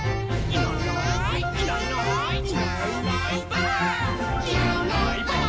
「いないいないばあっ！」